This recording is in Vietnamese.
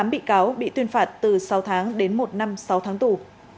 tám bị cáo bị tuyên phạt từ sáu tháng đến một năm sáu tháng tù